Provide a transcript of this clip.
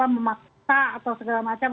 memaksa atau segala macam